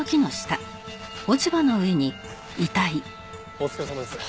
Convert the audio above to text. お疲れさまです。